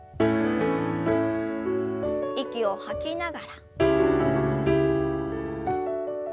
息を吐きながら。